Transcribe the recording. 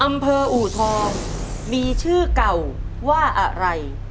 อำเภออูทองมีชื่อเก่าว่าอะไร